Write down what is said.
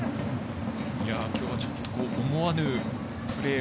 きょうはちょっと思わぬプレー